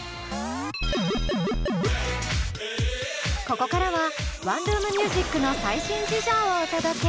ここからはワンルーム☆ミュージックの最新事情をお届け。